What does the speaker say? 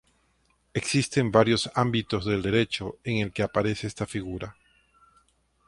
Existen varios ámbitos del Derecho en el que aparece esta figura.